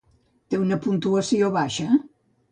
Té una puntuació baixa?